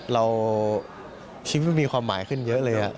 เราชิ้นไม่มีความหมายขึ้นเยอะเลย